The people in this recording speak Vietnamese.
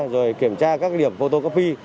rồi kiểm tra các điểm photocopy